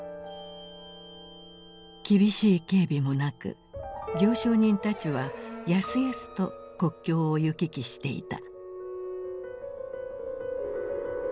厳しい警備もなく行商人たちはやすやすと国境を行き来していた。